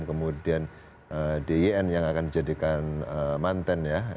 kemudian dyn yang akan dijadikan mantan ya